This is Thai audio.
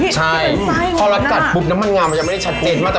เชฟเอียนด่าแล้วก็ได้ตลกให้เชฟเอียนหู